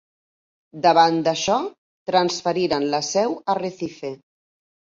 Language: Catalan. Davant d'això, transferiren la seu a Recife.